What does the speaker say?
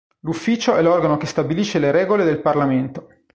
L'ufficio è l'organo che stabilisce le regole del Parlamento.